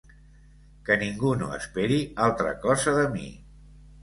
Que ningú no esperi altra cosa de mi.